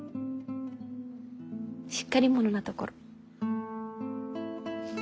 しっかり者なところ。